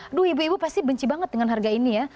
aduh ibu ibu pasti benci banget dengan harga ini ya